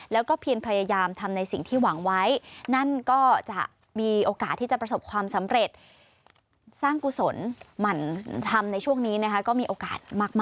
แล้วก็มีโอกาสมากค่ะ